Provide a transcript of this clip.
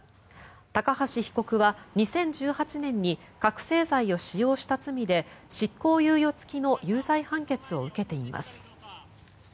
高橋被告は２０１８年に覚醒剤を使用した罪で執行猶予付きの有罪判決を受けています。